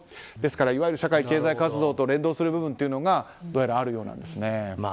ですからいわゆる社会経済活動と連動する部分があるようなんです。